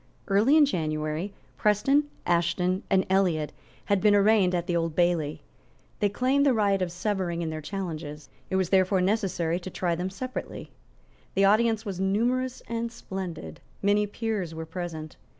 Early in January, Preston, Ashton and Elliot had been arraigned at the Old Bailey. They claimed the right of severing in their challenges. It was therefore necessary to try them separately. The audience was numerous and splendid. Many peers were present.